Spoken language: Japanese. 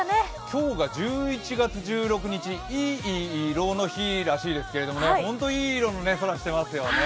今日が１１月１６日、いい色の日らしいですけどね、本当、いい色の空してますよね。